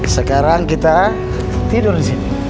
sekarang kita tidur di sini